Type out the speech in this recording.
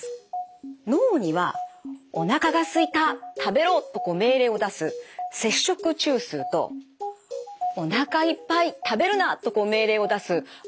脳には「おなかがすいた食べろ！」と命令を出す摂食中枢と「おなかいっぱい食べるな！」と命令を出す満腹中枢